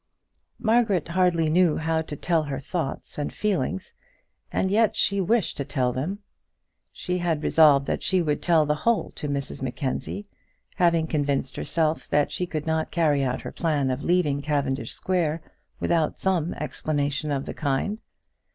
Margaret hardly knew how to tell her thoughts and feelings, and yet she wished to tell them. She had resolved that she would tell the whole to Mrs Mackenzie, having convinced herself that she could not carry out her plan of leaving Cavendish Square without some explanation of the kind.